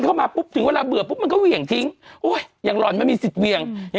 เราไม่ต้องรู้เยอะโอ๊ยโอ๊ย